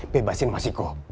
bebasin mas iko